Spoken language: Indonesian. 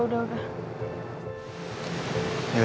yaudah kita pulang aja yuk